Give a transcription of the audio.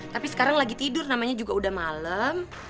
tapi sekarang lagi tidur namanya juga udah malem